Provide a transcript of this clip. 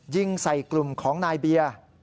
ยิงใส่กลุ่มของนายเบียร์